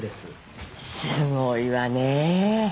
すごいわねぇ